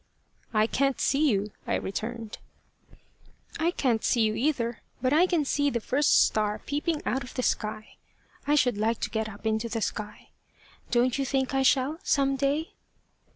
"I can't see you," I returned. "I can't see you either, but I can see the first star peeping out of the sky. I should like to get up into the sky. Don't you think I shall, some day?"